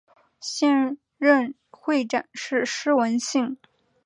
现任会长是施文信。